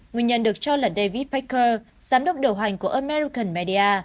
nguyên nhân được cho là david peker giám đốc điều hành của american media